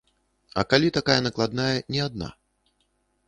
А калі такая накладная не адна?